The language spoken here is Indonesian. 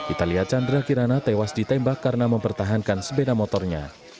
italia chandra kirana tewas ditembak karena mempertahankan sepeda motornya